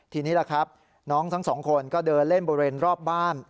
ทีนี้ล่ะครับน้องทั้งสองคนก็เดินเล่นบริเวณรอบบ้าน